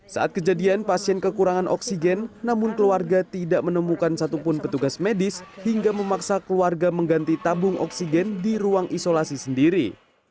saat kejadian pasien kekurangan oksigen namun keluarga tidak menemukan satupun petugas medis hingga memaksa keluarga mengganti tabung oksigen di ruang isolasi sendiri